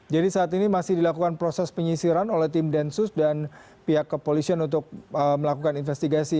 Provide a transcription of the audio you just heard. jadi saat ini masih dilakukan proses penyisiran oleh tim densus dan pihak kepolisian untuk melakukan investigasi